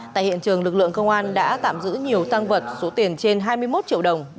tại hiện trường lực lượng công an đã tạm giữ nhiều tăng vật số tiền trên hai mươi một triệu đồng